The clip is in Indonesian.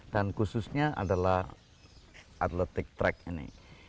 dan khususnya adalah atletik track ini